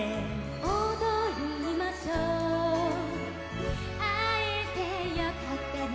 「おどりましょう」「あえてよかったね」